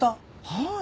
はい。